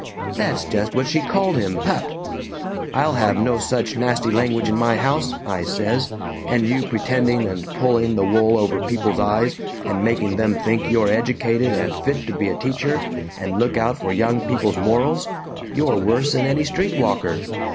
That's just what she called him pup. 'I'll have no such nasty language in my house,' I says, 'and you pretending and pulling the wool over people's eyes and making them think you're educated and fit to be a teacher and look out for young people's morals you're worse 'n any street walker!'